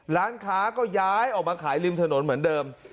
ร้านค้าก็ย้ายออกมาขายริมถนนเหมือนเดิม